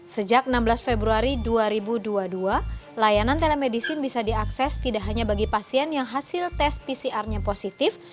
sejak enam belas februari dua ribu dua puluh dua layanan telemedicine bisa diakses tidak hanya bagi pasien yang hasil tes pcr nya positif